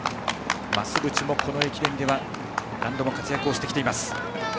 増渕もこの駅伝で何度も活躍しています。